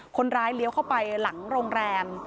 คนร้ายเลี้ยวเข้าไปหลังโรงแรม